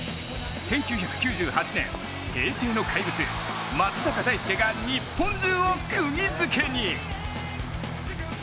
１９９８年、平成の怪物松坂大輔が日本中をくぎづけに。